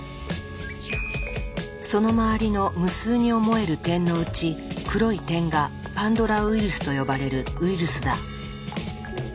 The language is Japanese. その周りの無数に思える点のうち黒い点がパンドラウイルスと呼ばれるウイルスだ。